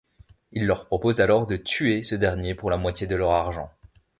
Il leur propose alors de tuer ce dernier pour la moitié de leur argent.